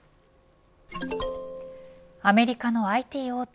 アメリカのＩＴ大手